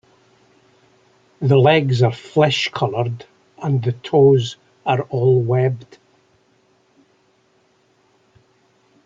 The legs are flesh-coloured and the toes are all webbed.